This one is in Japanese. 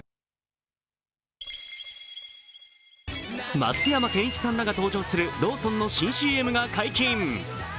松山ケンイチさんらが登場するローソンの新ＣＭが解禁。